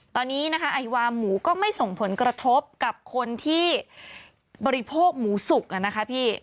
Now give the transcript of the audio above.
ตอนนี้นะคะไอวาหมูก็ไม่ส่งผลกระทบกับคนที่บริโภคหมูสุกนะคะพี่